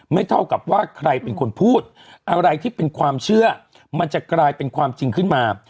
เท่ากับว่าใครเป็นคนพูดอะไรที่เป็นความเชื่อมันจะกลายเป็นความจริงขึ้นมา